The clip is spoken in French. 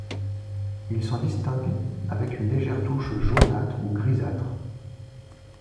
Il s'en distingue avec une légère touche jaunâtre ou grisâtre.